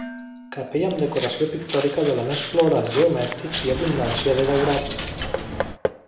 Capella amb decoració pictòrica d'elements florals geomètrics i abundància de daurats.